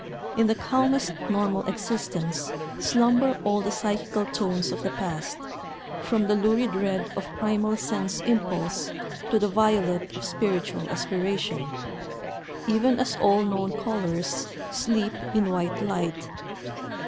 In the calmest normal existence slumber all the psychical tones of the past, from the lurid red of primal sense impulse to the violet of spiritual aspiration, even as all known colours sleep in white light.